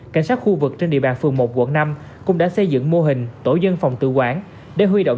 cảnh sát khu vực trên địa bàn phường một quận năm cũng đã xây dựng mô hình tổ dân phòng tự quản để huy động